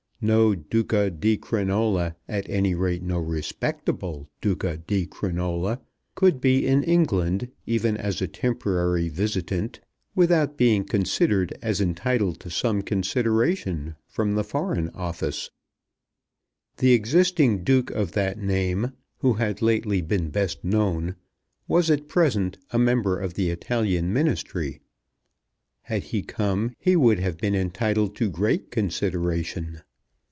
No Duca di Crinola, at any rate, no respectable Duca di Crinola, could be in England even as a temporary visitant without being considered as entitled to some consideration from the Foreign Office. The existing duke of that name, who had lately been best known, was at present a member of the Italian Ministry. Had he come he would have been entitled to great consideration.